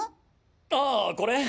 ああこれ？